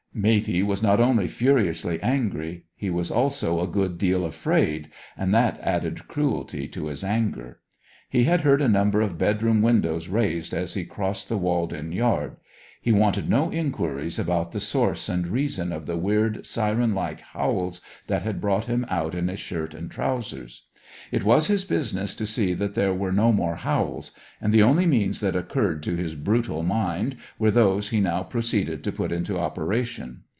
Matey was not only furiously angry, he was also a good deal afraid; and that added cruelty to his anger. He had heard a number of bedroom windows raised as he crossed the walled in yard; he wanted no enquiries about the source and reason of the weird, syren like howls that had brought him out in his shirt and trousers. It was his business to see that there were no more howls; and the only means that occurred to his brutal mind were those he now proceeded to put into operation.